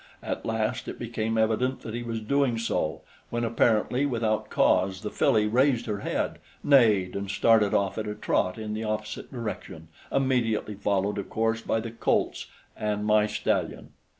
At last it became evident that he was doing so, when apparently without cause, the filly raised her head, neighed and started off at a trot in the opposite direction, immediately followed, of course, by the colts and my stallion.